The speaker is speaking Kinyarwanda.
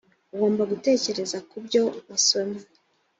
ugomba gutekereza ku byo wasomye